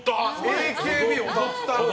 ＡＫＢ踊った！